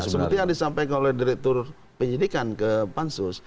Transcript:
seperti yang disampaikan oleh direktur penyidikan ke pansus